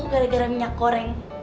gara gara minyak goreng